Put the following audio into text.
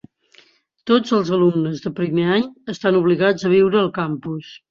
Tots els alumnes de primer any estan obligats a viure al campus.